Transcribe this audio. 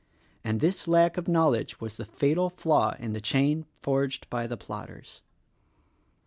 And this lack of knowledge was the fatal flaw in the chain forged by the plotters.